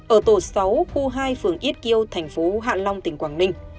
ở tổ sáu khu hai phường ít kiêu thành phố hạ long tỉnh quảng ninh